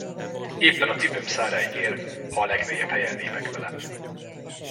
Éppen a cipőm száráig ér, ha a legmélyebb helyen lépek bele.